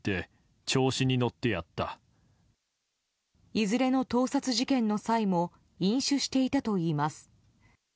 いずれの盗撮事件の際も飲酒していたといいます。